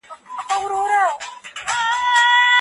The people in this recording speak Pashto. سياستپوهنه د علمي او پوهنيزو اصولو په رڼا کې زده کېږي.